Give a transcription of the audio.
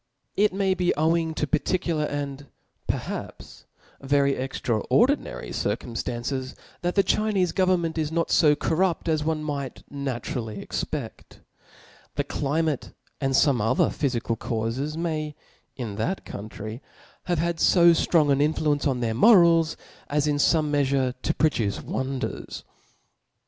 It may be owing to particular, and perhaps ver y extraordinary circum ftances; that the Chinefe government is not fo cor rupt as one might naturally expedt. The climate and fome other phyfical caufes may, in that coun try, have had fo ftrong an influence on their mo rals, as in fome meafure to produce wonders.